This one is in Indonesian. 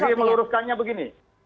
jadi meluruskannya begini